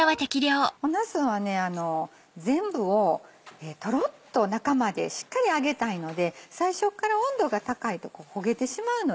なすをね全部をとろっと中までしっかり揚げたいので最初っから温度が高いと焦げてしまうのでね